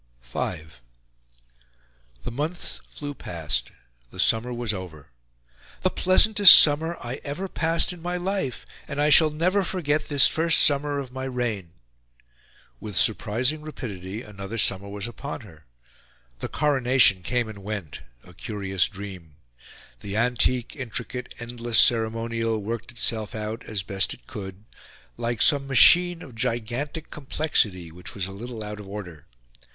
V The months flew past. The summer was over: "the pleasantest summer I EVER passed in MY LIFE, and I shall never forget this first summer of my reign." With surprising rapidity, another summer was upon her. The coronation came and went a curious dream. The antique, intricate, endless ceremonial worked itself out as best it could, like some machine of gigantic complexity which was a little out of order.